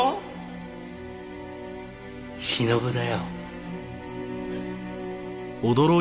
しのぶだよ。